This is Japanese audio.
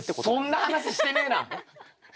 そんな話してねえな。